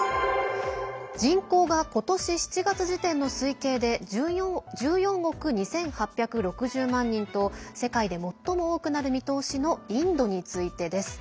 人口が今年７月時点の推計で１４億２８６０万人と世界で最も多くなる見通しのインドについてです。